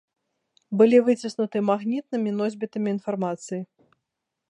Былі выціснуты магнітнымі носьбітамі інфармацыі.